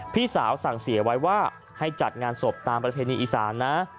พี่สาวสั่งเสียไว้ว่าให้จัดงานศพตามประเพณีอีสานนะ